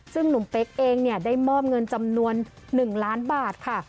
ซึ่งหนุ่มเป๊กเองได้มอบเงินจำนวน๑ล้านบาทค่ะ